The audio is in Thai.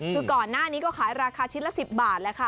คือก่อนหน้านี้ก็ขายราคาชิ้นละ๑๐บาทแหละค่ะ